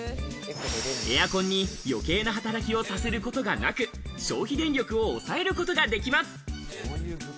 エアコンに余計な働きをさせることがなく、消費電力を抑えることができます。